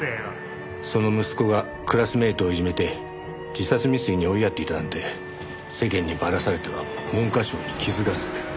その息子がクラスメートをいじめて自殺未遂に追いやっていたなんて世間にばらされては文科省に傷がつく。